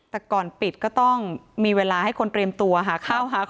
แต่ก่อนปิดก็ต้องมีเวลาให้คนเตรียมตัวหาข้าวหาของ